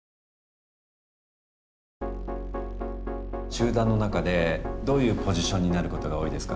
集団の中でどういうポジションになることが多いですか？